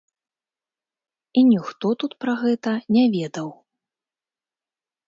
І ніхто тут пра гэта не ведаў.